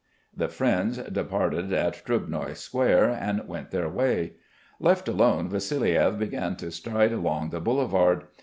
The friends parted at Trubnoi Square and went their way. Left alone, Vassiliev began to stride along the boulevard.